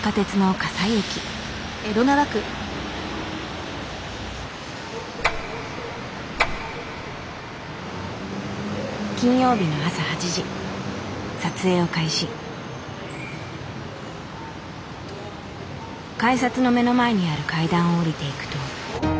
改札の目の前にある階段を下りていくと。